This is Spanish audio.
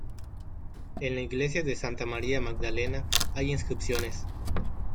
En la iglesia de Santa María Magdalena hay inscripciones.